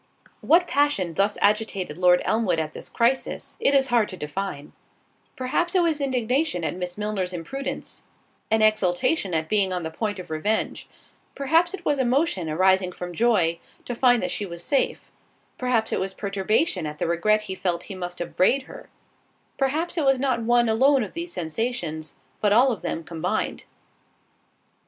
What passion thus agitated Lord Elmwood at this crisis, it is hard to define—perhaps it was indignation at Miss Milner's imprudence, and exultation at being on the point of revenge—perhaps it was emotion arising from joy, to find that she was safe—perhaps it was perturbation at the regret he felt that he must upbraid her—perhaps it was not one alone of these sensations, but all of them combined.